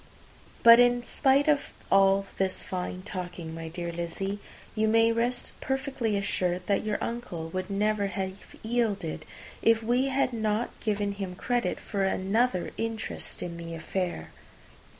But in spite of all this fine talking, my dear Lizzy, you may rest perfectly assured that your uncle would never have yielded, if we had not given him credit for another interest in the affair.